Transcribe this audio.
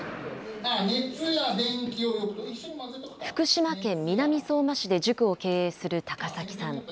福島県南相馬市で塾を経営する高崎さん。